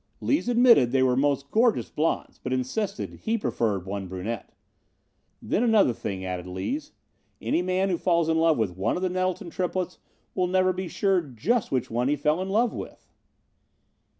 Lees admitted they were most gorgeous blondes, but insisted he preferred one brunette. "Then another thing," added Lees. "Any man who falls in love with one of the Nettleton triplets will never be sure just which one he fell in love with."